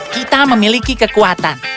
kita memiliki kekuatan